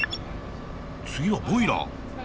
次はボイラー！